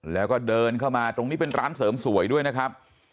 แล้วก็เดินเข้ามาตรงนี้เป็นร้านเสริมสวยด้วยนะครับ